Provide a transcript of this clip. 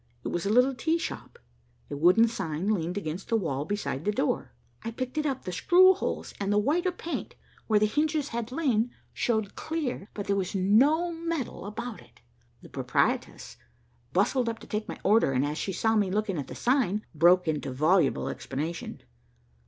It was a little tea shop. A wooden sign leaned against the wall beside the door. I picked it up. The screw holes and the whiter paint where the hinges had lain showed clear, but there was no metal about it. The proprietress bustled up to take my order and, as she saw me looking at the sign, broke into voluble explanation.